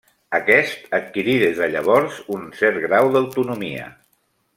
Aquest adquirí des de llavors un cert grau d'autonomia.